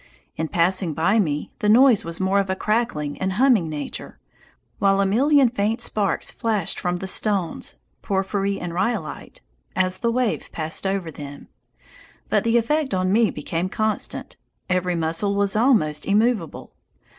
In passing by me, the noise was more of a crackling and humming nature, while a million faint sparks flashed from the stones (porphyry and rhyolite) as the wave passed over. But the effect on me became constant. Every muscle was almost immovable.